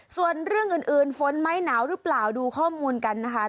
ส่วนเรื่องอื่นฝนไหมหนาวหรือเปล่าดูข้อมูลกันนะคะ